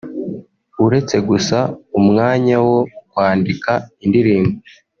“Uretse gusa umwanya wo kwandika indirimbo